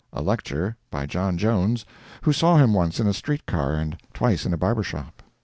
A lecture. By John Jones, who saw him once in a street car and twice in a barber shop.